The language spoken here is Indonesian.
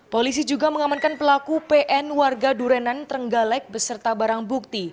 polisi juga mengamankan pelaku pn warga durenan trenggalek beserta barang bukti